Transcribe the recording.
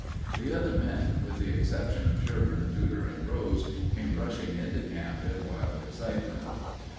(The other men, with the exception of Sherburn, Tudor, and Rose, came rushing into camp in wild excitement.)